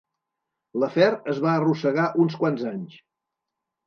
L'afer es va arrossegar uns quants anys.